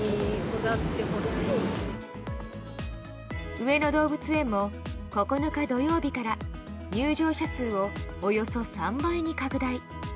上野動物園も９日土曜日から入場者数をおよそ３倍に拡大。